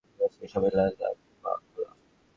বাস্তবিক সবই তাঁহার লীলা বা খেলা।